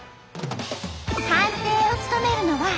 判定を務めるのは。